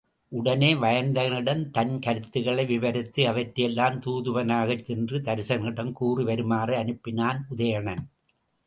உடனே வயந்தகனிடம் தன் கருத்துக்களை விவரித்து, அவற்றையெல்லாம் தூதுவனாகச் சென்று தருசகனிடம் கூறி வருமாறு அனுப்பினான் உதயணன்.